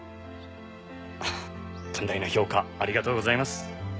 あっ寛大な評価ありがとうございます。